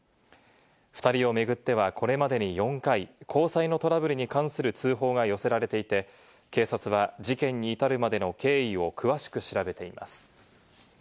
２人を巡っては、これまでに４回交際のトラブルに関する通報が寄せられていて、警察は事件に至るまでの経緯を詳しく調べています。